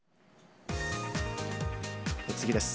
次です。